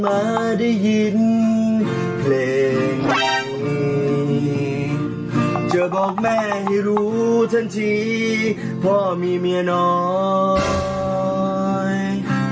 เอาไปแล้ว